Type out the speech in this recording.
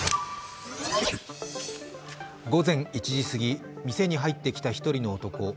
午前１時すぎ、店に入ってきた１人の男。